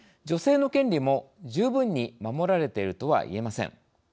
女性の権利も十分に守られているとはいえません。